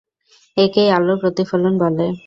একেই আলোর প্রতিফলন বলে।